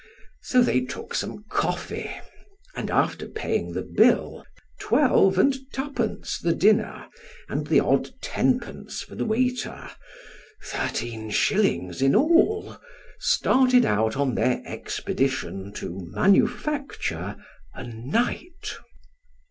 So they took some coffee, and after paying the bill, twelve and twopence the dinner, and the odd tenpence for the waiter thirteen shillings in all started out on their expedition to manufacture a night.